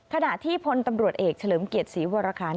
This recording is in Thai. ขณะที่พลตำรวจเอกเฉลิมเกียรติศรีวรคาร